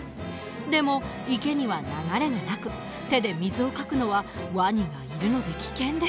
でも池には流れがなく手で水をかくのはワニがいるので危険です。